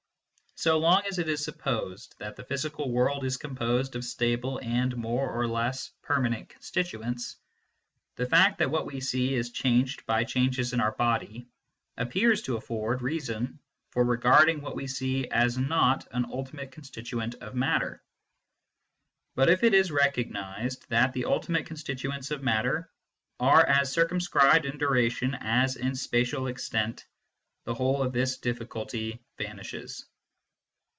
So long as it is supposed that the physical world is composed of stable and more or less permanent constituents, the fact that what we see is changed by changes in our body appears to afford reason for regarding what we see as not an ultimate con stituent of matter. But if it is recognised that the ultimate constituents of matter are as circumscribed in duration as in spatial extent, the whole of this difficulty vanishes.